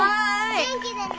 元気でね！